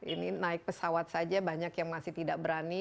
ini naik pesawat saja banyak yang masih tidak berani